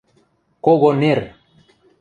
Кого нер!